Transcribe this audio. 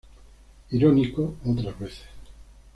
Irónico, otras veces.